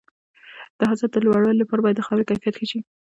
د حاصل د لوړوالي لپاره باید د خاورې کیفیت ښه شي.